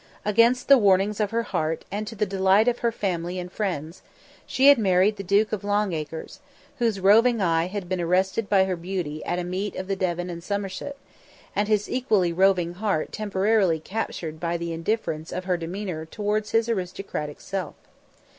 Against the warnings of her heart and to the delight of her friends and family, she had married the Duke of Longacres, whose roving eye had been arrested by her beauty at a meet of the Devon and Somerset, and his equally roving heart temporarily captured by the indifference of her demeanour towards his autocratic self.